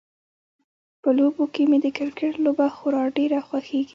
په لوبو کې مې د کرکټ لوبه خورا ډیره خوښیږي